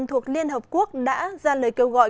thuộc liên hợp quốc đã ra lời kêu gọi